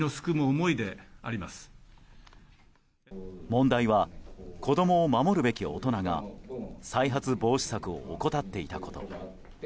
問題は子供を守るべき大人が再発防止策を怠っていたこと。